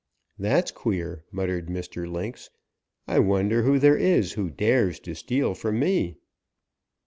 "'That's queer,' muttered Mr. Lynx. 'I wonder who there is who dares to steal from me.'